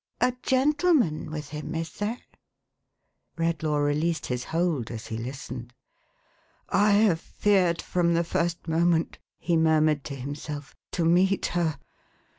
A gentleman with him, is there !" MILLY AND THE STUDENT. 471 Redlatv released his hold, as he listened. "I have feared, from the first moment,"" he murmured to himself, "to meet her.